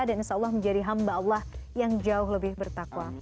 dan insya allah menjadi hamba allah yang jauh lebih bertakwa